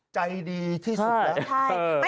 ใจดีที่สุดนะ